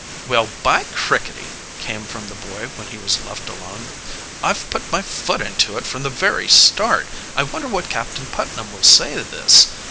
"Well, by crickety!" came from the boy when he was left alone. "I've put my foot into it from the very start. I wonder what Captain Putnam will say to this?